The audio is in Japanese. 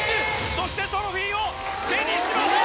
そしてトロフィーを手にしました！